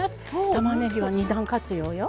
たまねぎは２段活用よ。